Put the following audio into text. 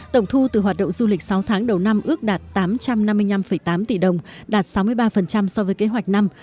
tổng thu từ hoạt động du lịch sáu tháng đầu năm ước đạt tám trăm năm mươi năm tám tỷ đồng đạt sáu mươi ba so với kế hoạch năm